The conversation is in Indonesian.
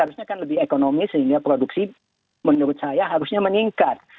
harusnya kan lebih ekonomi sehingga produksi menurut saya harusnya meningkat